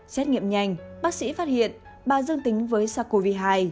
xét nghiệm nhanh bác sĩ phát hiện bà dương tính với sars cov hai